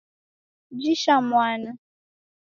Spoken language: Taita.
Jisha mwana